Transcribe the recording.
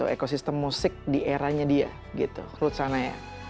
ekosistem musik di eranya dia gitu rutsa hanaya